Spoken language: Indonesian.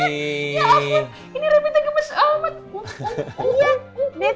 ya ampun ini rapidnya gemes amat